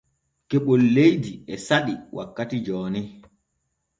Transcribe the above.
Keɓol leydi e saɗi wakkati jooni.